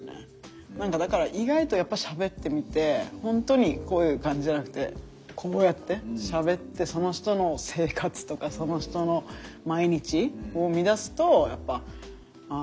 何かだから意外とやっぱしゃべってみて本当にこういう感じじゃなくてこうやってしゃべってその人の生活とかその人の毎日を見だすとやっぱあ